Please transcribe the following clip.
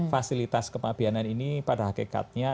fasilitas kepabianan ini pada hakikatnya